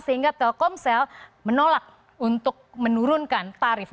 sehingga telkomsel menolak untuk menurunkan tarif